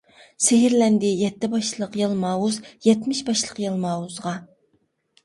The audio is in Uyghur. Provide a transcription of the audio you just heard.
سېھىرلەندى يەتتە باشلىق يالماۋۇز يەتمىش باشلىق يالماۋۇزغا.